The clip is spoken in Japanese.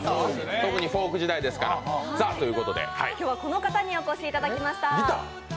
特にフォーク時代ですから。ということで今日はこの方にお越しいただきました。